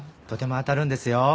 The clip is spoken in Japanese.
とても当たるんですよ。